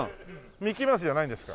ミッキーマウスじゃないんですか？